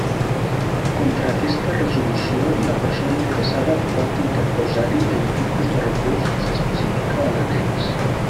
Contra aquesta resolució, la persona interessada pot interposar-hi el tipus de recurs que s'especifica a l'annex.